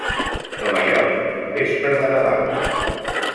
Nova York, un vespre de Nadal.